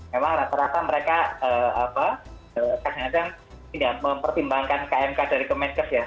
memang rata rata mereka kadang kadang tidak mempertimbangkan kmk dari kemenkes ya